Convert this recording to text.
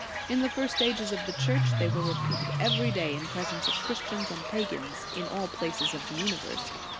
In the first ages of the Church they were repeated every day in presence of Christians and pagans, in all places of the universe.